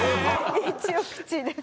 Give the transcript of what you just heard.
一応口です。